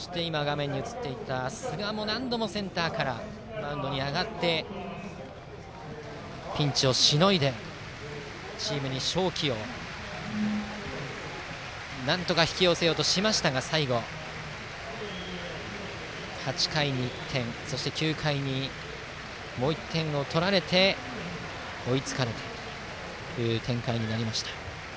寿賀も何度もセンターからマウンドに上がってピンチをしのいでチームに勝機を引き寄せようとしましたが最後、８回に１点そして９回にもう１点取られて追いつかれる展開になりました。